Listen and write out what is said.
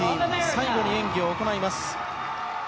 最後に演技を行います。